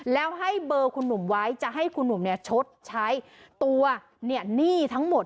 แล้วให้เบอร์คุณหนุ่มไว้จะให้คุณหนุ่มชดใช้ตัวหนี้ทั้งหมด